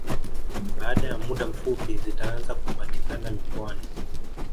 Baada ya muda mfupi zitaanza kupatikana mikoani